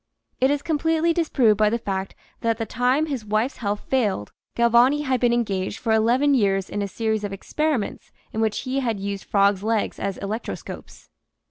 It is completely disproved by the fact that at the time his wife's health failed Galvani had been engaged 182 THE SEVEN FOLLIES OF SCIENCE for eleven years in a series of experiments in which he had used frogs' legs as electroscopes.